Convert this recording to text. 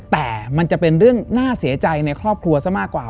แต่มันจะเป็นเรื่องน่าเสียใจในครอบครัวซะมากกว่า